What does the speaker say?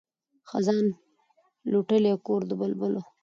خزان لوټلی کور د بلبلو